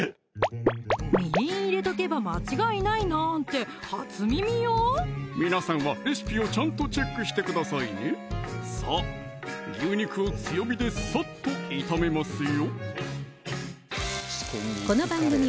みりん入れとけば間違いないなんて初耳よ皆さんはレシピをちゃんとチェックしてくださいねさぁ牛肉を強火でさっと炒めますよ